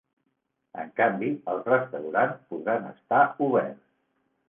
En canvi els restaurants podran estar oberts.